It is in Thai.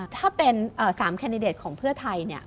ถ้าเป็น๓แคนดิเดตของเพื่อไทย